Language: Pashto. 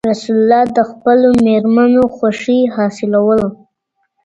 رسول الله د خپلو ميرمنو خوښۍ حاصلوله